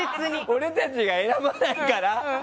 俺たちが選ばないから。